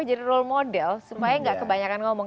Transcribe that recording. jadi role model supaya gak kebanyakan ngomong